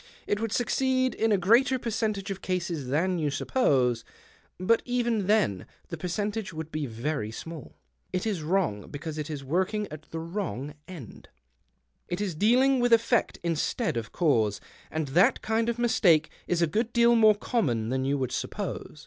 It would succeed in a greater percentage of cases than you suppose ; but even then the percentage would be very small. It is wrons:, because it is workins^ at the wronsj end. It is dealing^ with effect instead of cause, and that kind of mistake is a good deal more common than you would suppose.